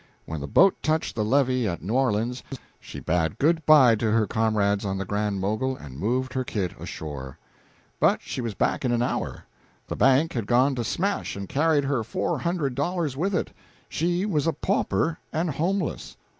When the boat touched the levee at New Orleans she bade good by to her comrades on the Grand Mogul and moved her kit ashore. But she was back in a hour. The bank had gone to smash and carried her four hundred dollars with it. She was a pauper, and homeless.